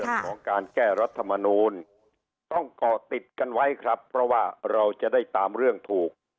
เรื่องของการแก้รัฐมนูลต้องเกาะติดกันไว้ครับเพราะว่าเราจะได้ตามเรื่องถูก